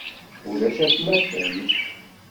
Ulac atmaten.